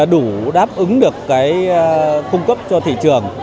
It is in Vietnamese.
đủ đáp ứng được cung cấp cho thị trường